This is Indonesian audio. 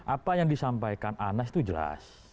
apa yang disampaikan anas itu jelas